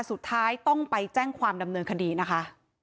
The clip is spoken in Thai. สุดท้ายต้องไปแจ้งความดำเนินคดีนะคะ